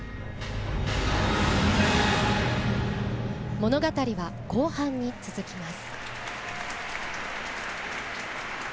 物語は後半に続きます。